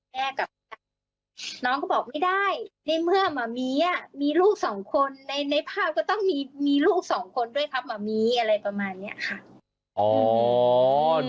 ในเมื่อมะมี่มีลูก๒คนในภาพก็ต้องมีลูก๒คนด้วยครับ